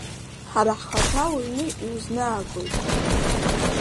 Ҳара ҳхаҭа уҩны иузнаагоит!